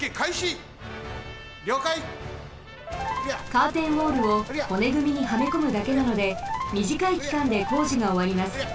カーテンウォールをほねぐみにはめこむだけなのでみじかいきかんで工事がおわります。